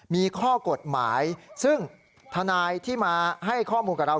มีข้อกฎหมายซึ่งทนายที่มาให้ข้อมูลกับเรา